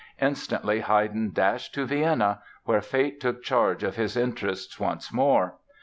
Instantly Haydn dashed to Vienna, where fate took charge of his interests once more.